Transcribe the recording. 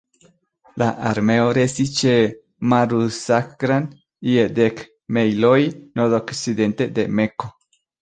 La armeo restis ĉe Marr-uz-Zahran, je dek mejloj nordokcidente de Mekko.